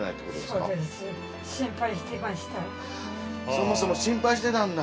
そもそも心配してたんだ。